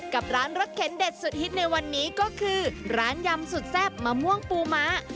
กับร้านรสเข็นเด็ดสุดฮิตในวันนี้ก็คือร้านยำสุดแซ่บมะม่วงปูม้า